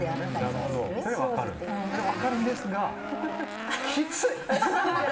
それは分かるんですがきつい！